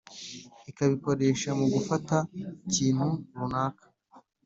ikabikoresha mu gufata ikintu runaka